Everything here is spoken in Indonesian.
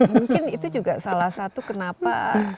mungkin itu juga salah satu kenapa